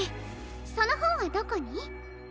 そのほんはどこに？